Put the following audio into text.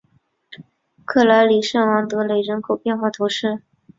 克莱里圣昂德雷人口变化图示